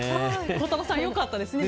孝太郎さん、良かったですね。